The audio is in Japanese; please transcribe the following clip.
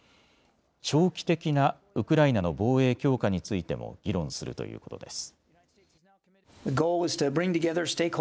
長期的なウクライナの防衛強化についても議論するということです。